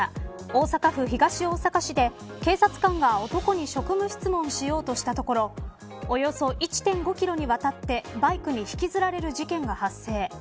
大阪府東大阪市で警察官が男に職務質問しようとしたところおよそ１．５キロにわたってバイクに引きずられる事件が発生。